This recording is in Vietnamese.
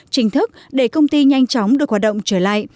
chính thức để công ty nhanh chóng được hoạt động trở lại